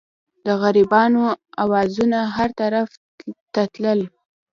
د غریبانو اوازونه هر طرف ته تلل.